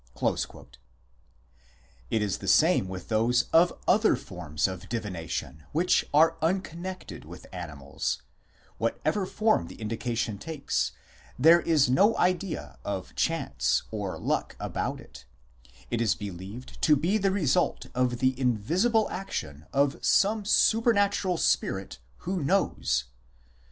1 It is the same with those of other forms of Divina tion which are unconnected with animals ; whatever form the indication takes, there is no idea of chance or " luck " about it ; it is believed to be the result of the invisible action of some supernatural spirit who knows.